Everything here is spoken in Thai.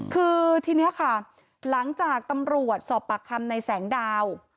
คือทีนี้ค่ะหลังจากตำรวจสอบปากคำในแสงดาว